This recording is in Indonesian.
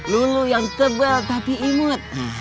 lulu yang tebal tapi imut